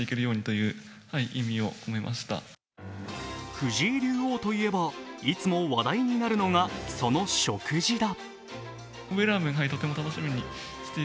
藤井竜王といえばいつも話題になるのがその食事だ。